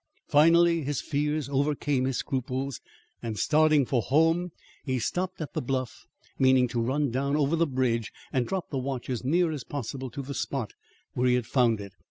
Finally his fears overcame his scruples, and, starting for home, he stopped at the bluff, meaning to run down over the bridge and drop the watch as near as possible to the spot where he had found it.